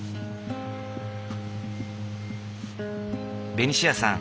ベニシアさん